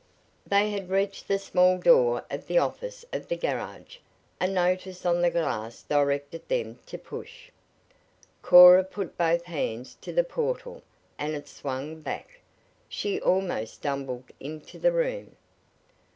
They had reached the small door of the office of the garage. A notice on the glass directed them to "Push." Cora put both hands to the portal, and it swung back. She almost stumbled into the room.